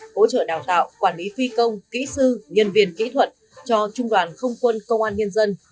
hỗ trợ đào tạo quản lý phi công kỹ sư nhân viên kỹ thuật cho trung đoàn không quân công an nhân dân